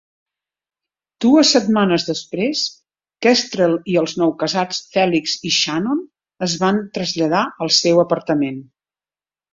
Dues setmanes després, Kestrel i els noucasats Felix i Shannon es van traslladar al seu apartament.